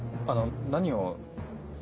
あの何を。